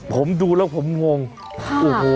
ผมดูแล้วผมงง